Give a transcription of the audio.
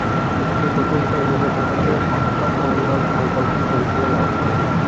সেই প্রতিহিংসায় নিজ ভ্রাতাকে হত্য করবার সঙ্কল্প করেছিলেন অশোক।